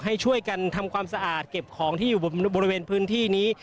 ให้ช่วยกันทำความสะอาดเก็บของที่อยู่บริเวณพื้นที่นี้